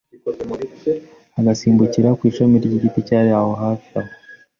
agasimbukira ku ishami ry’igiti cyari aho hafi aho